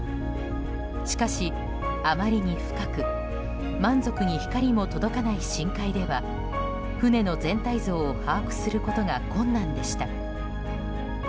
しかし、あまりに深く満足に光も届かない深海では船の全体像を把握することが困難でした。